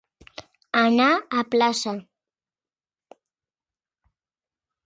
Anar a plaça.